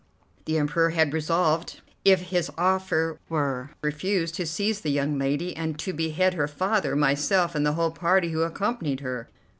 The Emperor had resolved, if his offer were refused, to seize the young lady, and to behead her father, myself, and the whole party who accompanied her.